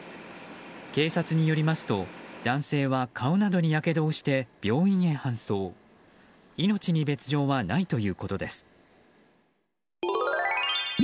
警察によりますと男性は顔などにやけどをして病院へ搬送命に別条はないということです。